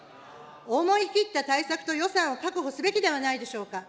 思い切った対策と予算を確保すべきではないでしょうか。